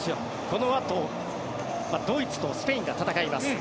このあとドイツとスペインが戦います。